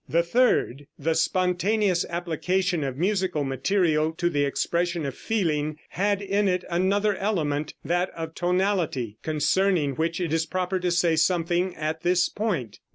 The third, the spontaneous application of musical material to the expression of feeling, had in it another element, that of tonality, concerning which it is proper to say something at this point.